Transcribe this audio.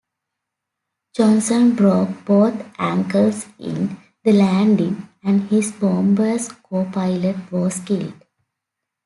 Johnson broke both ankles in the landing, and his bomber's co-pilot was killed.